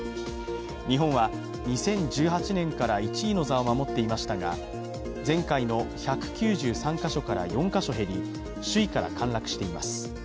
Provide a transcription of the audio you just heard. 日本は２０１８年から１位の座を守っていましたが、前回の１９３か所から４か所減り首位から陥落しています。